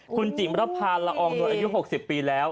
คุณจิ๋มรภาละอองโดยอายุ๖๐ปีแล้ว